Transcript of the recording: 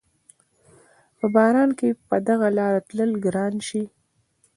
په باران کښې په دغه لاره تلل ګران شي